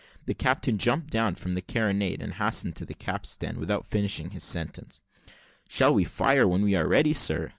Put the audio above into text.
The captain jumped down from the carronade, and hastened to the capstan, without finishing his sentence. "Shall we fire when we are ready, sir?"